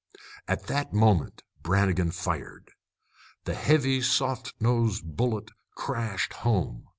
At that moment Brannigan fired. The heavy soft nosed bullet crashed home.